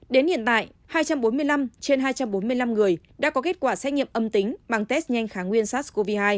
đến hiện tại hai trăm bốn mươi năm trên hai trăm bốn mươi năm người đã có kết quả xét nghiệm âm tính bằng test nhanh kháng nguyên sars cov hai